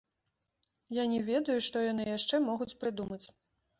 Я не ведаю, што яны яшчэ могуць прыдумаць!